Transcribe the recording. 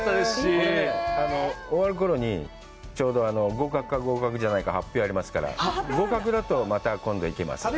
これね、終わるころに、ちょうど合格か合格じゃないか発表がありますから合格だとまた今度行けます。